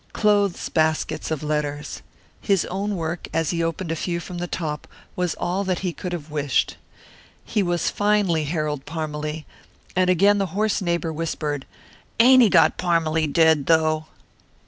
Clothes baskets of letters. His own work, as he opened a few from the top, was all that he could have wished. He was finely Harold Parmalee, and again the hoarse neighbour whispered, "Ain't he got Parmalee dead, though?"